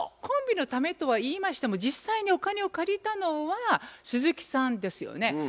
コンビのためとはいいましても実際にお金を借りたのは鈴木さんですよね。